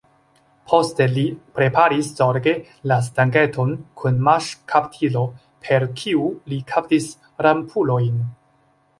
Poste li preparis zorge la stangeton kun maŝkaptilo, per kiu li kaptis rampulojn.